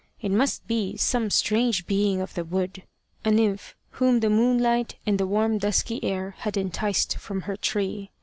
It must be some strange being of the wood a nymph whom the moonlight and the warm dusky air had enticed from her tree.